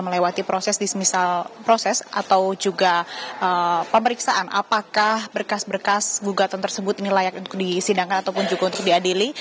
melewati proses di semisal proses atau juga pemeriksaan apakah berkas berkas gugatan tersebut ini layak untuk disidangkan ataupun juga untuk diadili